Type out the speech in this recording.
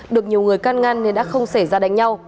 được nhiều người can ngăn nên đã không xảy ra đánh nhau